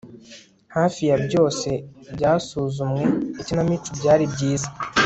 Hafi ya byose byasuzumwe ikinamico byari byiza